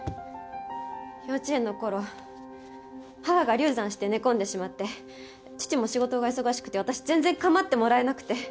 幼稚園の頃母が流産して寝込んでしまって父も仕事が忙しくて私全然構ってもらえなくて。